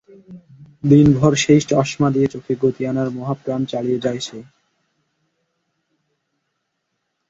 দিনভর সেই চশমা দিয়ে চোখে গতি আনার মহাপ্রাণ চেষ্টা চালিয়ে যায় সে।